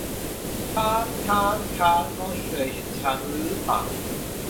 ช้าง ช้าง ช้าง น้องเคยเห็นช้างหรือเปล่า